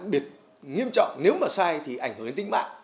biệt nghiêm trọng nếu mà sai thì ảnh hưởng đến tính mạng